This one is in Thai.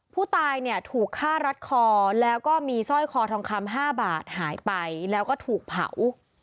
ผู้ตายเนี่ยถูกฆ่ารัดคอแล้วก็มีสร้อยคอทองคำ๕บาทหายไปแล้วก็ถูกเผา